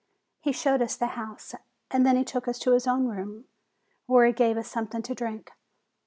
He showed us the house, and then he took us to his own room, where he gave us something to drink.